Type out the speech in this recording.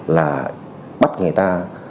là bắt người ta